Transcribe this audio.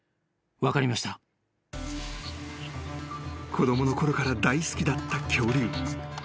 ［子供のころから大好きだった恐竜］